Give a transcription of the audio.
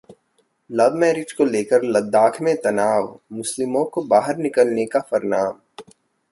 love marriage को लेकर लद्दाख में तनाव, मुस्लिमों को बाहर निकलने का फरमान